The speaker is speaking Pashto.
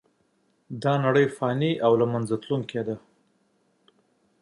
دا نړۍ فانې او له منځه تلونکې ده .